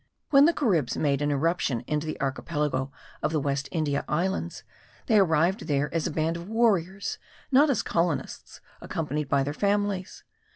When the Caribs made an irruption into the archipelago of the West India Islands, they arrived there as a band of warriors, not as colonists accompanied by their families.